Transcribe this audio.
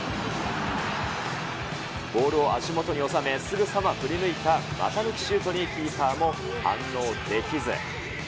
ボールを足元に収め、すぐさま振り抜いた股抜きシュートにキーパーも反応できず。